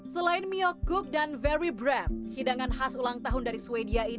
selain myokguk dan very bread hidangan khas ulang tahun dari sweden ini juga berbeda